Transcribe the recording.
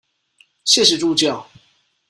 謝謝助教